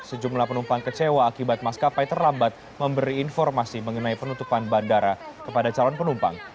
sejumlah penumpang kecewa akibat maskapai terlambat memberi informasi mengenai penutupan bandara kepada calon penumpang